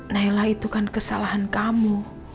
naila itu kan kesalahan kamu